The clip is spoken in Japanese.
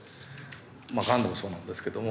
まあがんでもそうなんですけども。